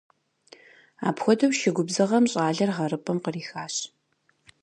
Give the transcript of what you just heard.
Апхуэдэу шы губзыгъэм щӏалэр гъэрыпӏэм кърихащ.